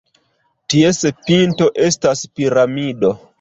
Ties pinto estas piramido.